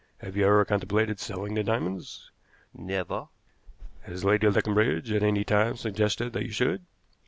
Have you ever contemplated selling the diamonds?" "Never." "Has Lady Leconbridge at any time suggested that you should?"